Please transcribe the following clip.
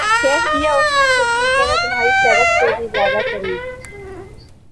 کہہ دیا اس نے خود ہی کہ میں تمھاری شہہ رگ سے بھی زیادہ قریب